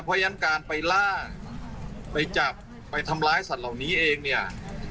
เพราะฉะนั้นการไปล่าไปจับไปทำร้ายสัตว์เหล่านี้เองเนี่ย